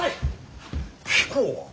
貴公は。